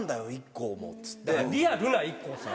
リアルなＩＫＫＯさん。